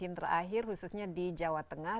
covid sembilan belas terakhir khususnya di jawa tengah